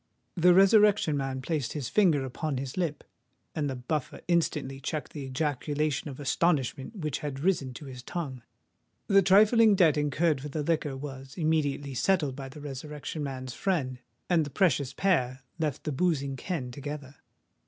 The Resurrection Man placed his finger upon his lip; and the Buffer instantly checked the ejaculation of astonishment which had risen to his tongue. The trifling debt incurred for the liquor was immediately settled by the Resurrection Man's friend; and the precious pair left the boozing ken together.